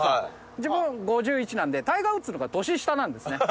自分５１なんでタイガー・ウッズの方が年下なんですね。